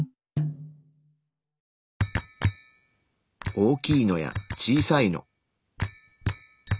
大きいのや小さいの。